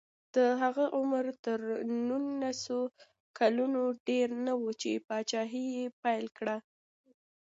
د هغه عمر تر نولس کلونو ډېر نه و چې پاچاهي یې پیل کړه.